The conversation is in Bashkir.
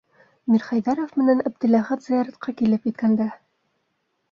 Мирхәйҙәров менән Әптеләхәт зыяратка килеп еткәндә